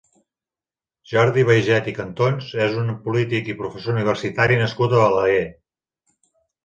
Jordi Baiget i Cantons és un polític i professor universitari nascut a Balaguer.